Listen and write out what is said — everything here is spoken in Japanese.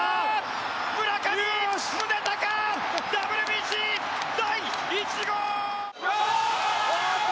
村上宗隆、ＷＢＣ第１号！